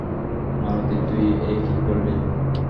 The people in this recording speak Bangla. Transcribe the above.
মালতী, তুই এ কি করলি?